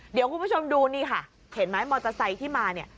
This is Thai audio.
เดี๋ยวคุณผู้ชมดูนี่ค่ะเห็นไหมมอเตอร์ไซค์ที่มาเนี่ย